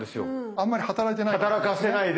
あんまり働いてないかも。